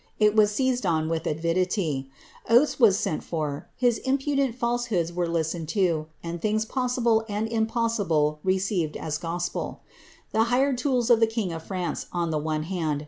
It was seized on with avidity. Oateswu Sent for, his impudent fals('ho4Hls were listened to, and things possible and impossible received as trospel. l*he hired tools of the king of France, on the one liand.